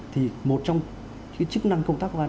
thì một trong chức năng công tác công an